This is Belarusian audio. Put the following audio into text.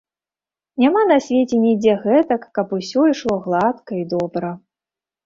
Няма на свеце нідзе гэтак, каб усё ішло гладка і добра.